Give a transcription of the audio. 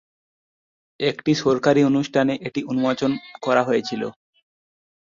একটি সরকারী অনুষ্ঠানে এটি উন্মোচন করা হয়েছিল।